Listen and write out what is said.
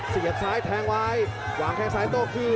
เสียบซ้ายแทงไว้วางแข้งซ้ายโต้คืน